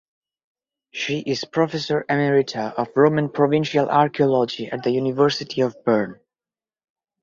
She is Professor Emerita of Roman Provincial Archaeology at the University of Bern.